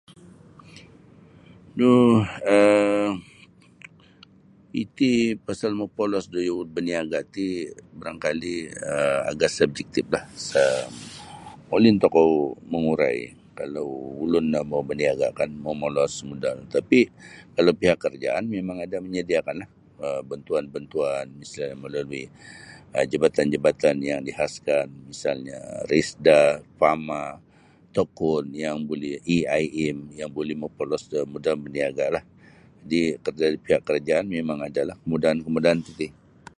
Nu um iti pasal mapolos da yo paniaga' ti barangkali' agak sensitiflah um molin tokou mangurai kalau ulun no mau baniaga' kan mau molos modal tapi' kalau pihak kerajaan mimang ada menyediakanlah um bantuan-bantuan misal melalui jabatan-jabatan yang dikhaskan misalnyo RISDA FAMA Tekun yang buli AIM yang buli mopolos da modal baniagalah. Jadi' dari pihak kerajaan mimang adalah kemudahan-kemudahan titi.